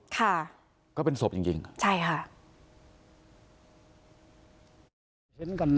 ค่ะก็เป็นศพจริงจริงใช่ค่ะ